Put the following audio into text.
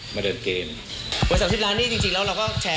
มาใช่ไม่ใช่